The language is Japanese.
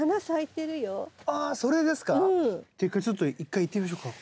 っていうかちょっと一回いってみましょうか。